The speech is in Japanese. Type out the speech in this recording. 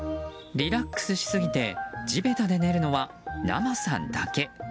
リラックスしすぎて地べたで寝るのは、なまさんだけ。